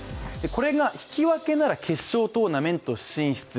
これが引き分けなら決勝トーナメント進出。